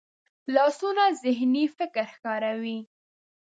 لاسونه ذهني فکر ښکاروي